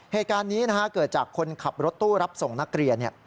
เหตุการณ์นี้เกิดจากคนขับรถตู้รับส่งนักเรียน